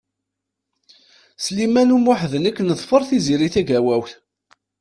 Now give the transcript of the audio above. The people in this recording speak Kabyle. Sliman U Muḥ d nekk neḍfeṛ Tiziri Tagawawt.